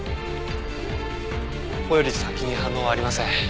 ここより先に反応はありません。